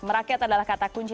merakyat adalah kata kunci